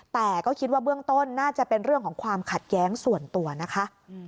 แต่ก็คิดว่าเบื้องต้นน่าจะเป็นเรื่องของความขัดแย้งส่วนตัวนะคะ